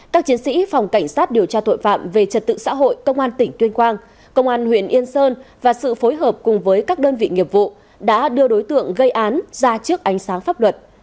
các chiến sĩ phòng cảnh sát điều tra tội phạm về trật tự xã hội công an tỉnh tuyên quang công an huyện yên sơn và sự phối hợp cùng với các đơn vị nghiệp vụ đã đưa đối tượng gây án ra trước ánh sáng pháp luật